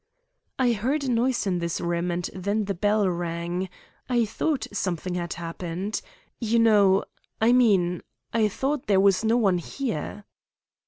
"I heard a noise in this room, and then the bell rang. I thought something had happened. You know I mean, I thought there was no one here."